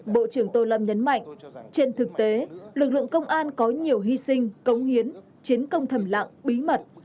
bộ trưởng tô lâm nhấn mạnh trên thực tế lực lượng công an có nhiều hy sinh cống hiến chiến công thầm lặng bí mật